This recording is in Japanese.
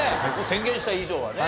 宣言した以上はね。